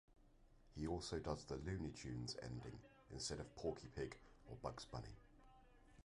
He also does the Looney Tunes ending instead of Porky Pig or Bugs Bunny.